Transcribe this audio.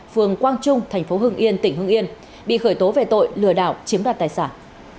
phường quang trung thành phố hưng yên tỉnh hưng yên bị khởi tố về tội lừa đảo chiếm đoạt tài sản